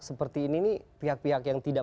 seperti ini nih pihak pihak yang tidak